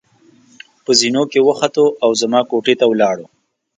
په زېنو کې وختو او زما کوټې ته ولاړو.